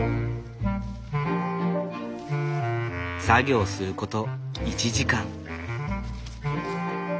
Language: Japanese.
作業すること１時間。